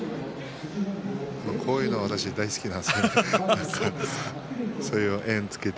こういうの私、大好きなんですね。